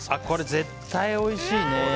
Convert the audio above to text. これ、絶対おいしいね！